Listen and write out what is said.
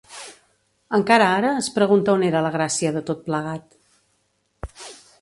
Encara ara es pregunta on era la gràcia de tot plegat.